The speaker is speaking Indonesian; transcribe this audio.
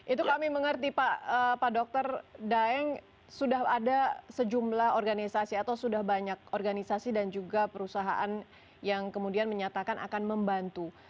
itu kami mengerti pak dr daeng sudah ada sejumlah organisasi atau sudah banyak organisasi dan juga perusahaan yang kemudian menyatakan akan membantu